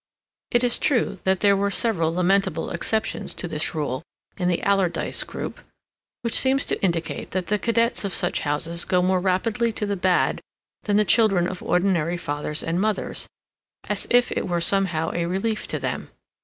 It is true that there were several lamentable exceptions to this rule in the Alardyce group, which seems to indicate that the cadets of such houses go more rapidly to the bad than the children of ordinary fathers and mothers, as if it were somehow a relief to them.